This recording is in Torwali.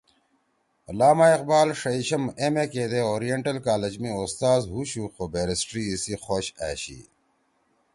علامہ اقبال ݜیشم M-A کیدے اوریئنٹل کالج می اُستاذ ہُوشُو خو بیرسٹری ایِسی خوش أشی